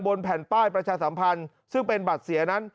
แผ่นป้ายประชาสัมพันธ์ซึ่งเป็นบัตรเสียนั้น